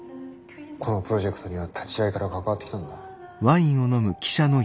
このプロジェクトには立ち上げから関わってきたんだ。